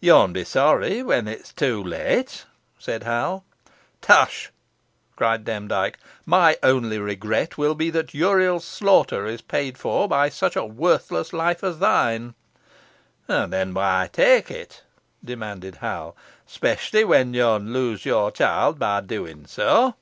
"Yo'n be sorry when it's too late," said Hal. "Tush!" cried Demdike, "my only regret will be that Uriel's slaughter is paid for by such a worthless life as thine." "Then whoy tak it?" demanded Hal. "'Specially whon yo'n lose your chilt by doing so."